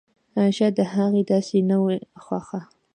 شايد د هغې داسې نه وه خوښه!